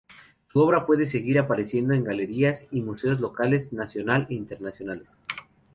Su obra se puede seguir apreciando en Galerías y Museos locales, nacional e internacionales.